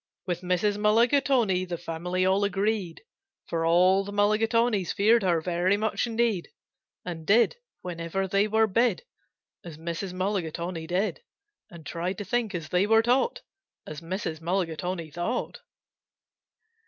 With Mrs. Mulligatawny the family all agreed, For all the Mulligatawnys feared her very much indeed, And did, whenever they were bid, As Mrs. Mulligatawny did, And tried to think, as they were taught, As Mrs. Mulligatawny thought.